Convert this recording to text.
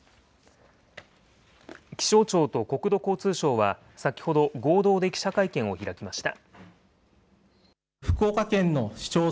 気象庁と国土交通省は、先ほど合同で記者会見を開きました。